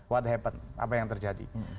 what happen apa yang terjadi